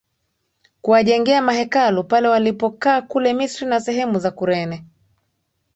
kuwajengea mahekalu pale walipokaa Kule Misri na sehemu za Kurene